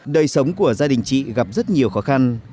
đời sống của gia đình chị gặp rất nhiều khó khăn